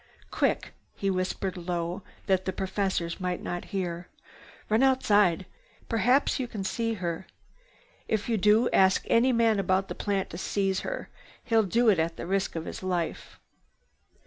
"Quick!" He whispered low, that the professors might not hear. "Run outside. Perhaps you can see her. If you do, ask any man about the plant to seize her. He'd do it at the risk of his life."